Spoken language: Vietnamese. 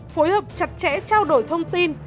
phối hợp chặt chẽ trao đổi thông tin